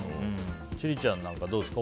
千里ちゃんなんかどうですか？